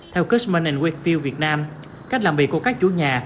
theo cushman wakefield việt nam cách làm việc của các chủ nhà